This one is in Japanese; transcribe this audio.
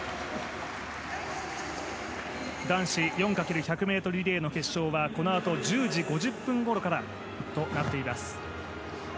男子４×１００ｍリレーの決勝はこのあと１０時５０分ごろからとなっています。